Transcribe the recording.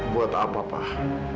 buat apa pak